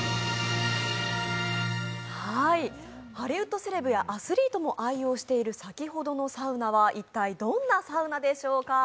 ハリウッドセレブやアスリートも愛用している先ほどのサウナは一体、どんなサウナでしょうか？